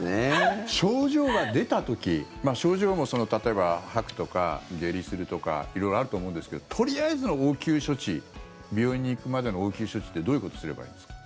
症状が出た時症状も例えば吐くとか下痢するとか色々あると思うんですけどとりあえずの応急処置病院行くまでの応急処置ってどういうことすればいいんですか？